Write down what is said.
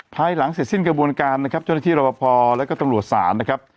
ภายหลังเสร็จสิ้นกระบวนการนะครับชนิทรัพพอและก็ตรวจสานนะครับ